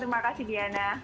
terima kasih diana